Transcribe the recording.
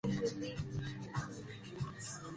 Juan de Mata Valencia.